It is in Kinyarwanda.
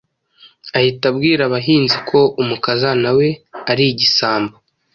ahita abwira abahinzi ko umukazana we ari igisambo,